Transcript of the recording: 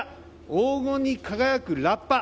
黄金に輝くラッパ。